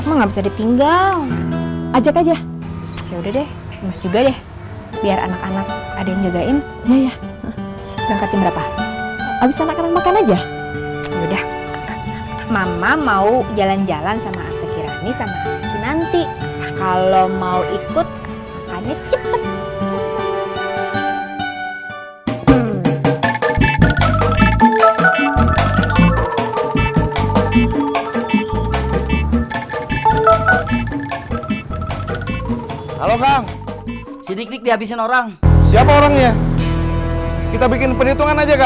kalau mau ikut hanya cepet